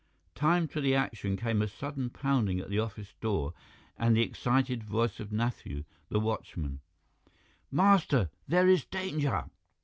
Timed to the action came a sudden pounding at the office door and the excited voice of Nathu, the watchman: "Master! There is danger!